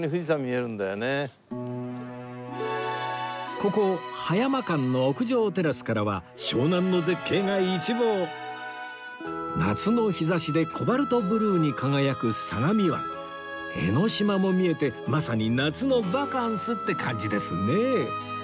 ここ葉山館の屋上テラスからは湘南の絶景が一望夏の日差しでコバルトブルーに輝く相模湾江の島も見えてまさに夏のバカンスって感じですね